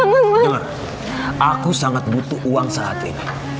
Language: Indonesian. benar aku sangat butuh uang saat ini